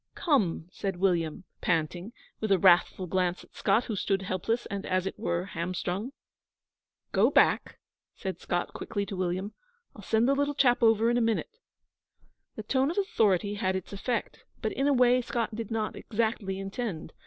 'Come!' said William, panting, with a wrathful glance at Scott, who stood helpless and, as it were, hamstrung. 'Go back,' said Scott quickly to William. 'I'll send the little chap over in a minute.' The tone of authority had its effect, but in a way Scott did not exactly intend.